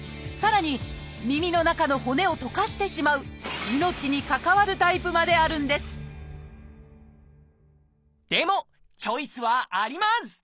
さらに耳の中の骨を溶かしてしまう命に関わるタイプまであるんですでもチョイスはあります！